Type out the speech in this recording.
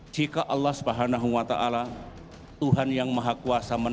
jika allah swt tuhan yang maha kuasa menahan